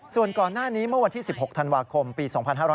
ส่วนก่อนหน้านี้เมื่อวันที่๑๖ธันวาคมปี๒๕๕๙